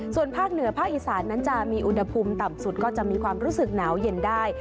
ส่วนภาคเหนือภาคอีสานนั้นจะมีอุณหภูมิต่ำสุดก็จะมีความรู้สึกหนาวเย็นได้